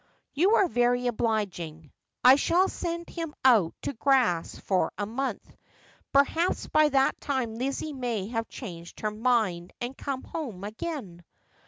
' You are very obliging. I shall send him out to grass for a month. Perhaps by that time Lizzie may have changed her mind and come home again.'